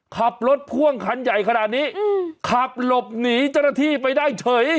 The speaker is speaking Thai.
ขับรถพ่วงคันใหญ่ขนาดนี้ขับหลบหนีจรธีไปได้เฉย